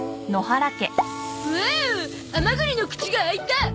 おおアマグリの口が開いた！